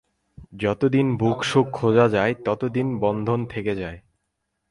যতদিন ভোগসুখ খোঁজা যায়, ততদিন বন্ধন থেকে যায়।